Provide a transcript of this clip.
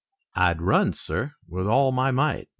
"I'd run, sir, with all my might.